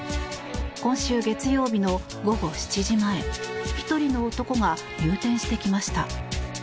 今週月曜日の午後７時前１人の男が入店してきました。